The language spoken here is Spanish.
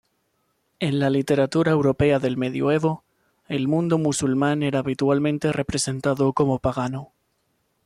En la literatura europea del medioevo, el mundo musulmán era habitualmente representado como pagano.